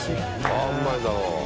あっうまいだろう。